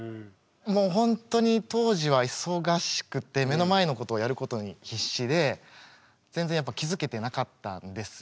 もうほんとに当時は忙しくて目の前のことをやることに必死で全然やっぱ気付けてなかったんですよ。